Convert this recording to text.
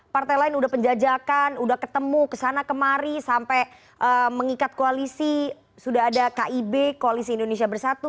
partai lain udah penjajakan udah ketemu kesana kemari sampai mengikat koalisi sudah ada kib koalisi indonesia bersatu